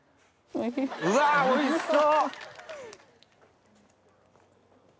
うわおいしそう！